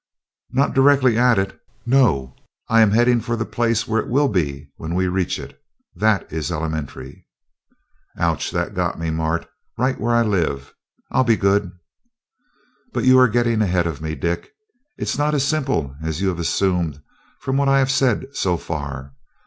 "Not directly at it, no. I am heading for the place where it will be when we reach it. That is elementary." "Ouch! That got to me, Mart, right where I live. I'll be good." "But you are getting ahead of me, Dick it is not as simple as you have assumed from what I have said so far.